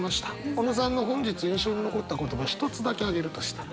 小野さんの本日印象に残った言葉一つだけ挙げるとしたら？